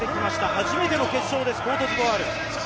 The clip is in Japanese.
初めての決勝ですコートジボワール。